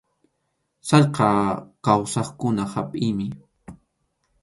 Sallqa kawsaqkuna hapʼiymi.